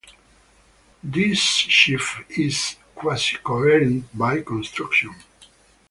This sheaf is quasicoherent by construction.